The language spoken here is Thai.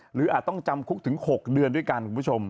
หรืออาจต้องจำคุกถึง๖เดือนด้วยกัน